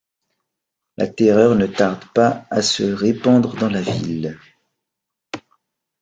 La terreur ne tarde pas à se répandre dans la ville...